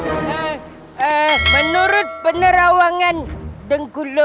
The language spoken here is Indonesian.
ehm menurut penerawangan dengku logut